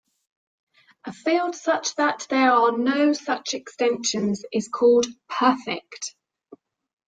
A field such that there are no such extensions is called "perfect".